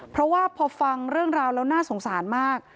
เพราะว่าพอฟังเรื่องราวแล้วน่าสงสารมาก